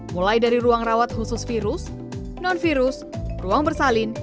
mulai dari ruang rawat khusus virus non virus ruang bersalin